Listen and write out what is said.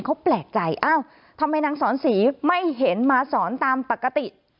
เขาแปลกใจอ้าวทำไมนางสอนศรีไม่เห็นมาสอนตามปกติ